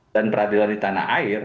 dan peradilan di tanah air